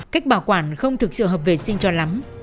cách bảo quản không thực sự hợp vệ sinh cho lắm